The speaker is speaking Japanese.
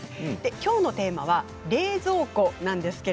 きょうのテーマは冷蔵庫です。